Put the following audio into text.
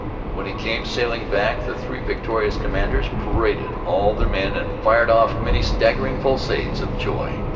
When he came sailing back the three victorious commanders paraded all their men and fired off many straggling fusillades of joy.